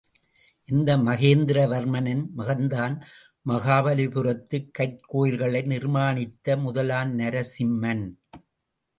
இந்த மகேந்திர வர்மனின் மகன்தான் மகாபலிபுரத்துக் கற்கோயில்களை நிர்மாணித்த முதலாம் நரசிம்மன்.